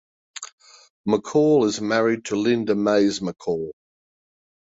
McCaul is married to Linda Mays McCaul.